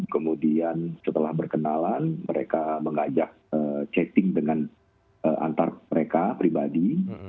kemudian setelah berkenalan mereka mengajak chatting dengan antar mereka pribadi